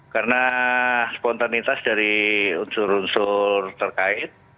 karena spontanitas dari unsur unsur terkait